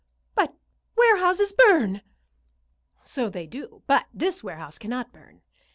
"But warehouses burn." "So they do, but this warehouse cannot burn.